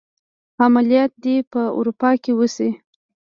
عملیات دې په اروپا کې وشي.